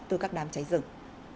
từ các đám cháy rừng